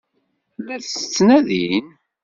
La t-ttnadin?